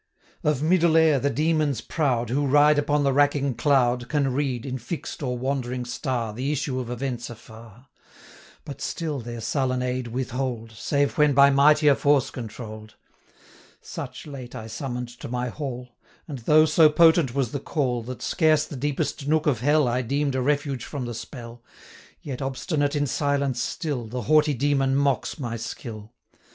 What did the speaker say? '"Of middle air the demons proud, Who ride upon the racking cloud, 395 Can read, in fix'd or wandering star, The issue of events afar; But still their sullen aid withhold, Save when by mightier force controll'd. Such late I summon'd to my hall; 400 And though so potent was the call, That scarce the deepest nook of hell I deem'd a refuge from the spell, Yet, obstinate in silence still, The haughty demon mocks my skill.